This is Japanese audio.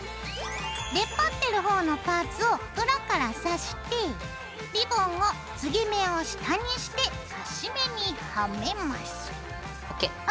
出っ張ってる方のパーツを裏からさしてリボンを継ぎ目を下にしてカシメにはめます。